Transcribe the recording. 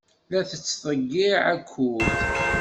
La tettḍeyyiɛ akud.